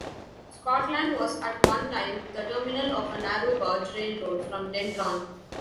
Scotland was at one time the terminal of a narrow-gauge railroad from Dendron.